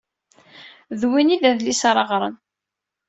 D win ay d adlis ara ɣren.